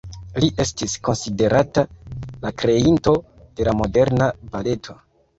Li estis konsiderata la kreinto de la moderna baleto.